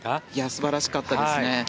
素晴らしかったですね。